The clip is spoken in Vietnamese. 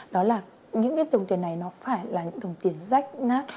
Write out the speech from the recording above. đó là những tổng tiền này nó phải là những tổng tiền rách nát